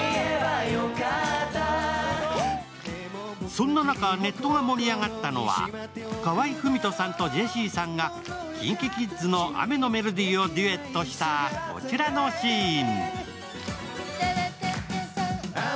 そんな中、ネットが盛り上がったのは河合郁人さんとジェシーさんがＫｉｎＫｉＫｉｄｓの「雨のＭｅｌｏｄｙ」をデュエットしたこちらのシーン。